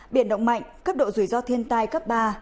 biển động mạnh cấp độ rủi ro thiên tai cấp ba